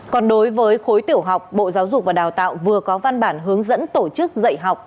còn đối với khối tiểu học bộ giáo dục và đào tạo vừa có văn bản hướng dẫn tổ chức dạy học